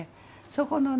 そこのね